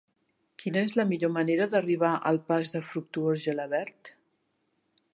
Quina és la millor manera d'arribar al pas de Fructuós Gelabert?